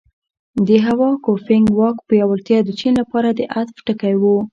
د هوا ګوفینګ واک پیاوړتیا د چین لپاره د عطف ټکی و.